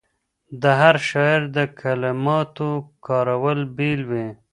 د هر شاعر د کلماتو کارول بېل وي.